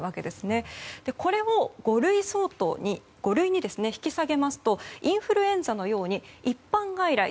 これを五類に引き下げますとインフルエンザのように一般外来